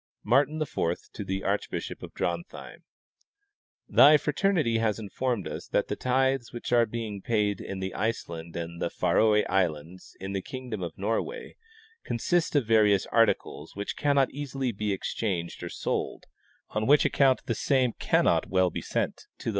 (Translation.) Martin IV to the archbishop of Drontheim : Thy fraternity has informed us that the tithes which are being paid in the Iceland and Faroe islands, in the kingdom of Nor way, consist of various articles which cannot easily be exchanged or sold, on which account the same cannot well be sent to the The Tithes of Greenland.